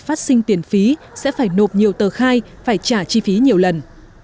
phát sinh tiền phí sẽ phải nộp nhiều tờ khai phải trả chi phí nhiều lần